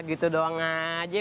gitu doang aja